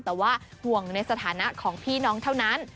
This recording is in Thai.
แต่ว่าห่วงในสถานะของพี่น้องเท่านั้น